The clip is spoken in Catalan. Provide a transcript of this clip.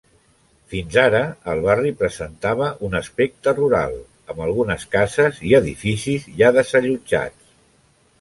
Fins ara, el barri presentava un aspecte rural, amb algunes cases i edificis ja desallotjats.